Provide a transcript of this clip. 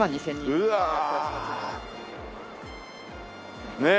うわあ。ねえ。